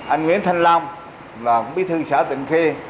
anh nguyễn thanh long là bí thư xã tịnh khê